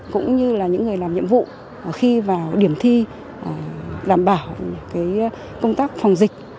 cũng như là những người làm nhiệm vụ khi vào điểm thi đảm bảo công tác phòng dịch